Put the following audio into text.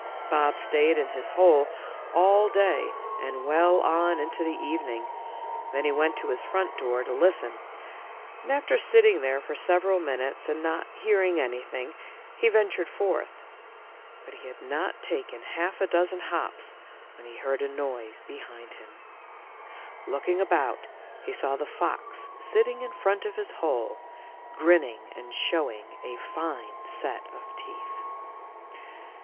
Bob stayed in his hole all day and well on into the evening. Then he went to his front door to listen, and after sitting there for several min utes and not hearing anything, he ventured forth ; but he had not taken half a dozen hops when he heard a noise behind him. Looking BOB'S REVENGE. 135 about lie saw the fox sitting in front of his hole, grinning and showing a fine set of teeth.